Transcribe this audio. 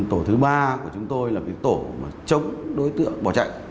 tổ thứ ba của chúng tôi là tổ chống đối tượng bỏ chạy